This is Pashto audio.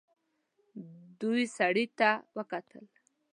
دوی سړي ته وکتل.